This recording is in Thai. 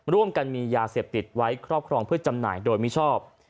ร่วมกันมียาเสพติดไว้ครอบครองเพื่อจำหน่ายโดยมิชอบ